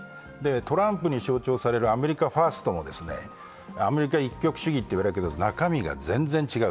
トランプに象徴されるアメリカ・ファーストもアメリカ一極主義と言われるけど、中身が全然違う。